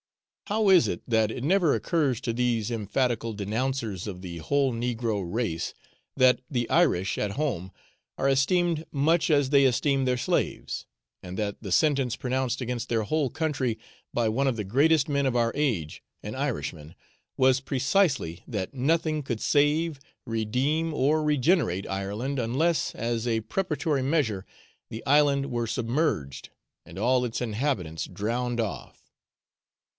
How is it that it never occurs to these emphatical denouncers of the whole negro race that the Irish at home are esteemed much as they esteem their slaves, and that the sentence pronounced against their whole country by one of the greatest men of our age, an Irishman, was precisely, that nothing could save, redeem, or regenerate Ireland unless, as a preparatory measure, the island were submerged and all its inhabitants drowned off?